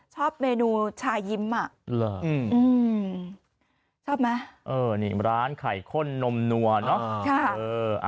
ชอบเมนูชายิ้มชอบไหมร้านข้ายข้นนมหนัวเนาะค่ะ